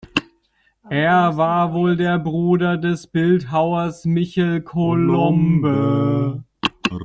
Er war wohl der Bruder des Bildhauers Michel Colombe.